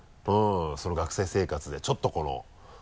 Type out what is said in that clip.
学生生活でちょっとこの。